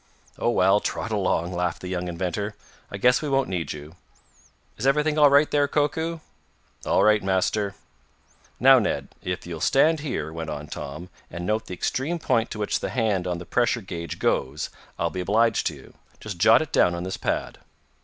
"Oh, well, trot along," laughed the young inventor. "I guess we won't need you. Is everything all right there, Koku?" "All right, Master." "Now, Ned, if you'll stand here," went on Tom, "and note the extreme point to which the hand on the pressure gauge goes, I'll be obliged to you. Just jot it down on this pad."